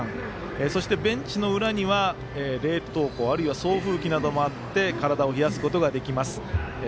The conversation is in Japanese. そしてベンチの裏には冷凍庫あるいは送風機などもあって体を冷やすことができます。